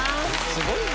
すごいね！